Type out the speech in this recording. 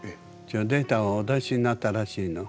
データをお出しになったらしいの。